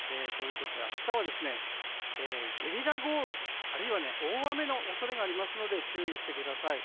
明日はゲリラ豪雨あるいは大雨の恐れがありますので注意してください。